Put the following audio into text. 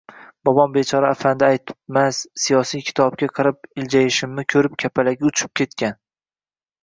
Bobom bechora afandi aytibmas, siyosiy kitobga qarab iljayishimni qo’rib kapalagi uchib ketgan.